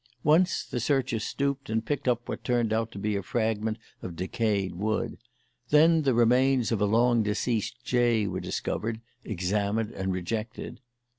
Once the searcher stooped and picked up what turned out to be a fragment of decayed wood; then the remains of a long deceased jay were discovered, examined, and rejected.